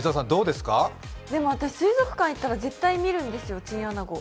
でも私、水族館行ったら絶対見るんですよ、チンアナゴ。